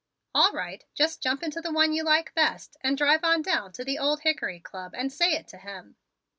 "All right; just jump into the one you like best and drive on down to the Old Hickory Club and say it to him.